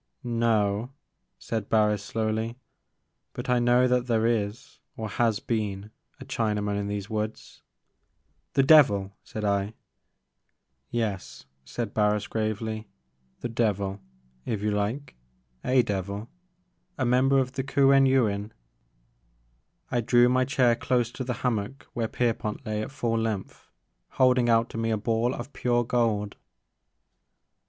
No," said Barris slowly ;but I know that there is, or has been, a Chinaman in these woods." '* The devil!" said I. "Yes," said Barris gravely; "the devil, if you Uke, — a devil, — a member of the Kuen Yuin." I drew my chair close to the hammock where Pierpont lay at full length, holding out to me a ball of pure gold.